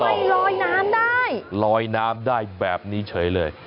ลอยน้ำได้ลอยน้ำได้แบบนี้เฉยเลย